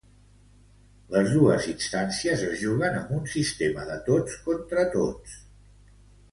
Les dos instàncies es juguen amb un sistema de tots-contra-tots.